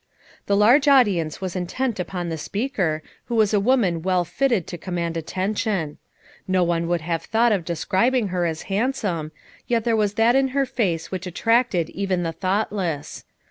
The large audience was intent upon the speaker, who was a woman well fitted to com mand attention. No one would have thought of describing her as handsome, yet there was that in her face which attracted even the thoughtless.